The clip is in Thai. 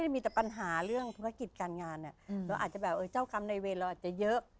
มีแต่ปัญหาเรื่องธุรกิจการงานเราอาจจะแบบเจ้ากรรมในเวรเราอาจจะเยอะ